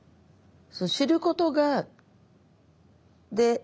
知ることがで